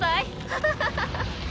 ハハハハハ！